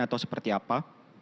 atau seperti apa